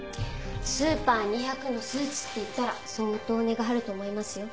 スーパー２００のスーツっていったら相当値が張ると思いますよ。